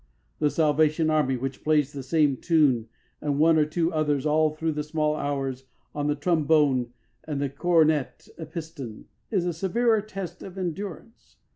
The Salvation Army, which plays the same tune and one or two others all through the small hours on the trombone and the cornet à piston, is a severer test of endurance.